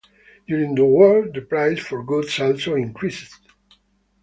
During the war, the price for goods also increased.